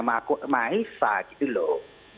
maesah gitu loh